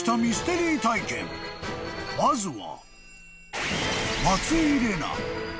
［まずは］